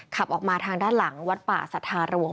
ขับออกมาทางด้านหลังวัดป่าสัทธารวง